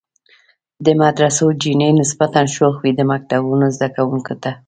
د مدرسو چڼې نسبتاً شوخ وي، د مکتبونو زده کوونکو ته.